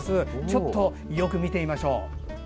ちょっとよく見てみましょう。